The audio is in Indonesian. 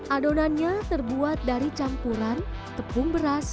adonannya terbuat dari campuran tepung beras